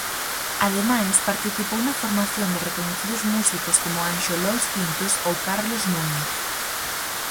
Ademais, participou na formación de recoñecidos músicos como Anxo Lois Pintos ou Carlos Núñez.